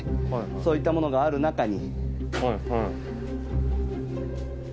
そういったものがある中に。